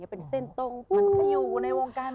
เป็นเส้นตรงมันก็อยู่ในวงการ